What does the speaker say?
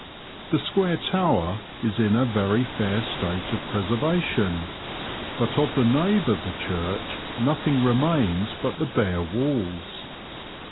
The square tower is in a very fair state of preservation, but of the nave of the church nothing remains but the bare walls.